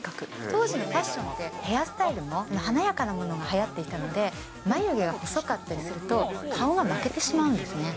当時のファッションって、ヘアスタイルも、華やかなものがはやっていたので、眉毛が細かったりすると、顔が負けてしまうんですね。